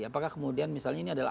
apakah kemudian misalnya ini adalah